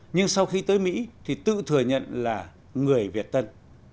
nhưng sau khi tới mỹ thì tự thừa nhận là người việt tân